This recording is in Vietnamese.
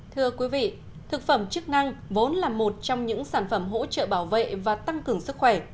thưa quý vị thực phẩm chức năng vốn là một trong những sản phẩm hỗ trợ bảo vệ và tăng cường sức khỏe